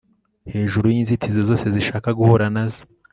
hejuru y'inzitizi zose zishaka guhura nazo